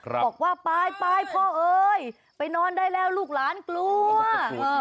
บอกว่าไปไปพ่อเอ๋ยไปนอนได้แล้วลูกหลานกลัวเออ